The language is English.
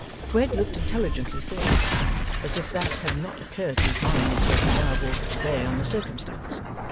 Wegg looked intelligently thoughtful, as if that had not occurred to his mind until he now brought it to bear on the circumstance.